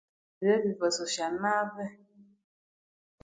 Ryeribasosya nabi